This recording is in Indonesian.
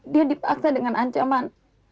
dia dipaksa dengan ancaman